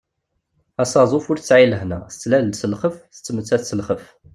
Asaḍuf ur tesεi lehna, tettlal-d s lxeff, tettmettat s lxeff.